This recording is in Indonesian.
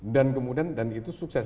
dan kemudian dan itu sukses